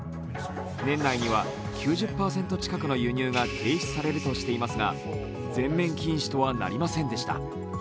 年内には９０％近くの輸入が停止されるとしていますが全面禁止とはなりませんでした。